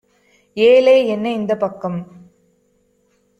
ஏலே என்ன இந்தப் பக்கம்?